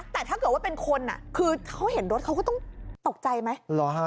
แต่ถ้าเกิดว่าเป็นคนคือเขาเห็นรถเขาก็ต้องตกใจไหม